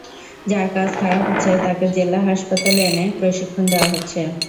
যার কাজ খারাপ হচ্ছে, তাকে জেলা হাসপাতালে এনে প্রশিক্ষণ দেওয়া হচ্ছে।